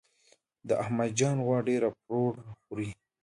د احمد جان غوا ډیره پروړه خوري.